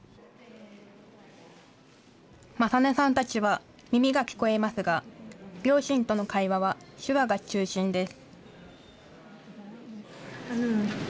理音さんたちは耳が聞こえますが、両親との会話は手話が中心です。